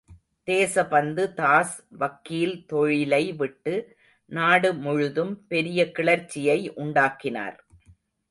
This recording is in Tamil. தேசபந்து தாஸ் வக்கீல் தொழிலை விட்டு நாடு முழுதும் பெரிய கிளர்ச்சியை உண்டாக்கினார்.